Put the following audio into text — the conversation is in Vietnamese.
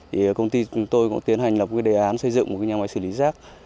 thì công ty tôi cũng tiến hành lập đề án xây dựng một nhà máy xử lý rác